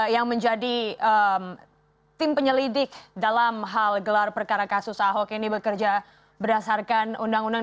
yang menjadi tim penyelidik dalam hal gelar perkara kasus ahok ini bekerja berdasarkan undang undang